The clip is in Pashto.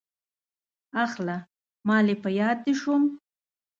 اخله مالې په ياده دې شوم.